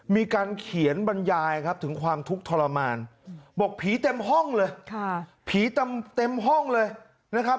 มีการเขียนบรรยายครับถึงความทุกข์ทรมานบอกผีเต็มห้องเลยผีเต็มห้องเลยนะครับ